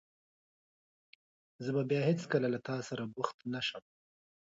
زه به بیا هېڅکله له تاسره بوخت نه شم.